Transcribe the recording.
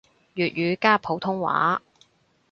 粵語加普通話